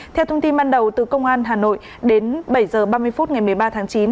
theo thông tin ban đầu từ công an hà nội đến bảy h ba mươi phút ngày một mươi ba tháng chín